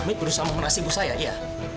amit berusaha memeras ibu saya iya